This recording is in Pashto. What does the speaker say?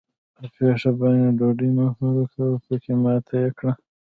په پښو باندې ډوډۍ مه پورې کوه؛ پکې ماته يې کړه.